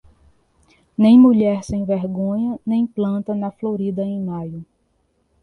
Nem mulher sem vergonha nem planta na florida em maio.